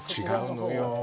違うのよ